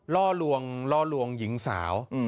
ล่อลวงล่อลวงหญิงสาว